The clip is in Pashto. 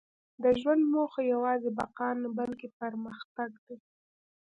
• د ژوند موخه یوازې بقا نه، بلکې پرمختګ دی.